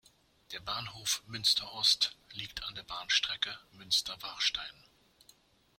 Der Bahnhof "Münster Ost" liegt an der Bahnstrecke Münster–Warstein.